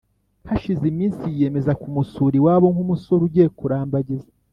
hashize iminsi yiyemeza kumusura iwabo nk’umusore ugiye kurambagiza